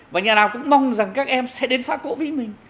và nhà nào cũng mong rằng các em sẽ đến phá cỗ vĩ mình